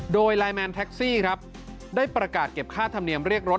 โดยไลน์แมนแท็กซี่ครับได้ประกาศเก็บค่าธรรมเนียมเรียกรถ